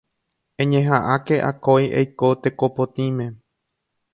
Eñeha'ãke akói eiko teko potĩme